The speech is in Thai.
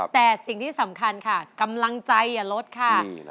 แต่สิ่งที่สำคัญค่ะกำลังใจอย่าลดค่ะ